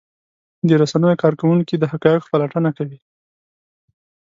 د رسنیو کارکوونکي د حقایقو پلټنه کوي.